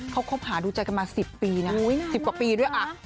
เขาคบหาดูใจกันมา๑๐ปีนะ๑๐กว่าปีด้วย